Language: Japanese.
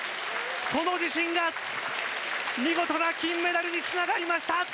その自信が見事な金メダルにつながりました。